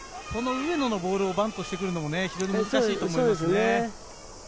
上野のボールをバントしてくるのも非常に難しいですよね。